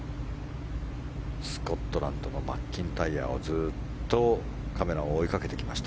スコットランドのマッキンタイヤをずっとカメラで追いかけてきました。